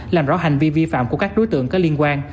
làm rõ hành vi vi phạm của các đối tượng có liên quan